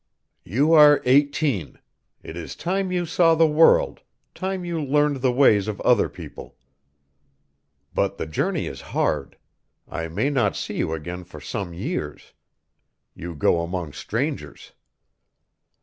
"You are eighteen. It is time you saw the world, time you learned the ways of other people. But the journey is hard. I may not see you again for some years. You go among strangers."